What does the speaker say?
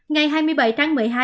ngày hai mươi bảy tháng một mươi hai